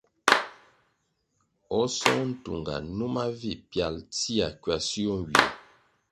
O Song Ntunga, numa vi pyalʼ tsia kwasio nywie.